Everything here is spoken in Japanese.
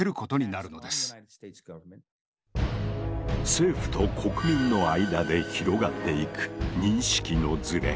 政府と国民の間で広がっていく認識のズレ。